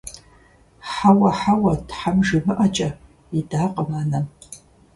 Хьэуэ, хьэуэ, тхьэм жимыӀэкӀэ! – идакъым анэм.